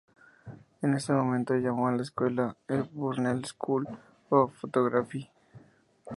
En ese momento, llamó a la escuela "E. Brunel School of Photography".